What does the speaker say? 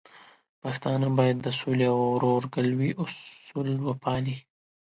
پښتانه بايد د سولې او ورورګلوي اصول وپالي.